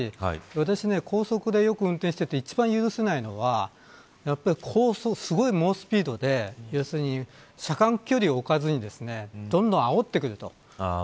私は、高速でよく運転していて一番許せないのがすごい猛スピードで車間距離を置かずにどんどん煽ってくると。